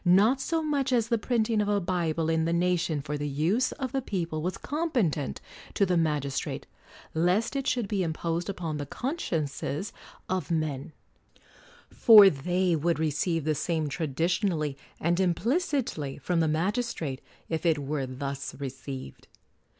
Not so much as the printing of a Bible in the nation for the use of the people was com petent to the magistrate, lest it should be im posed upon the consciences of men, ''— for ' i they would receive the same traditionally and implic itly from the magistrate if it were thus re ceived